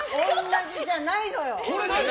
同じじゃないのよ！